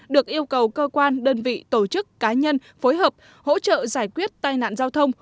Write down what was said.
được yêu cầu cơ quan đơn vị tổ chức cá nhân phối hợp hỗ trợ giải quyết tai nạn giao thông